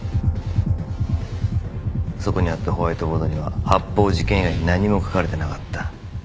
そこにあったホワイトボードには発砲事件以外何も書かれてなかった。